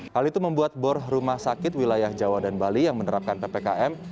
hal itu membuat bor rumah sakit wilayah jawa dan bali yang menerapkan ppkm